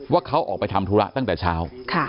ว่าเขาออกไปทำธุระตั้งแต่เช้า